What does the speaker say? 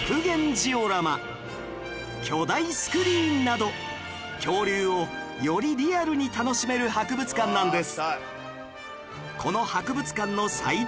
ジオラマ巨大スクリーンなど恐竜をよりリアルに楽しめる博物館なんです